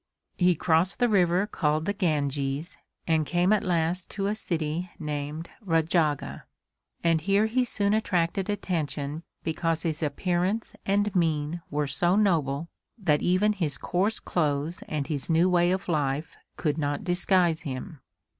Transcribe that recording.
He crossed the river called the Ganges and came at last to a city named Rajagha. And here he soon attracted attention because his appearance and mien were so noble that even his coarse clothes and his new way of life could not disguise him.